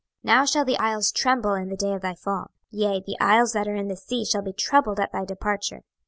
26:026:018 Now shall the isles tremble in the day of thy fall; yea, the isles that are in the sea shall be troubled at thy departure.